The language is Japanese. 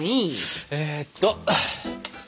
えっと。